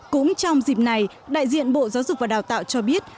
cũng trong dịp này đại diện bộ giáo dục và đào tạo cho biết